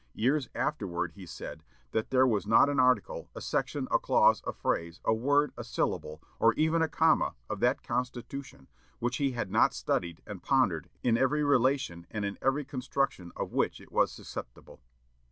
Years afterward he said, "that there was not an article, a section, a clause, a phrase, a word, a syllable, or even a comma, of that Constitution, which he had not studied and pondered in every relation and in every construction of which it was susceptible."